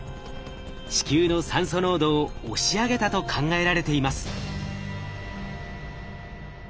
地球の酸素濃度を押し上げたと考えられています。